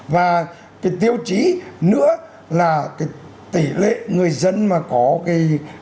và cái tiêu chí nữa là cái tỷ lệ người dân mà có cái